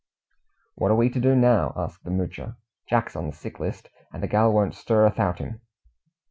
"What are we to do now?" asked the Moocher. "Jack's on the sick list, and the gal won't stir a'thout him."